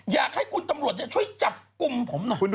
อยากให้คุณตำรวจช่วยจับกลุ่มผมหน่อย